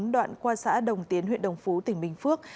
đoạn qua xã đồng tiến huyện đồng phú tỉnh bình phước